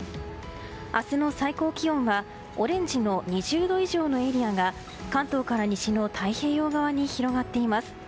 明日の最高気温はオレンジの２０度以上のエリアが関東から西の太平洋側に広がっています。